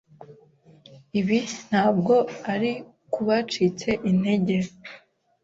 Ibi ntabwo ari kubacitse intege